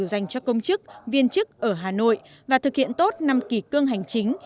dành cho công chức viên chức ở hà nội và thực hiện tốt năm kỳ cương hành chính